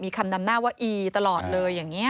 คำนำหน้าว่าอีตลอดเลยอย่างนี้